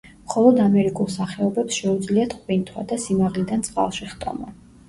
მხოლოდ ამერიკულ სახეობებს შეუძლიათ ყვინთვა და სიმაღლიდან წყალში ხტომა.